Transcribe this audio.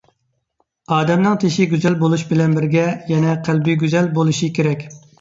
ئادەمنىڭ تېشى گۈزەل بولۇش بىلەن بىرگە يەنە قەلبى گۈزەل بولۇشى كېرەك!